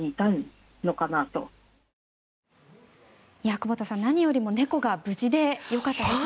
久保田さん何よりも猫が無事でよかったですね。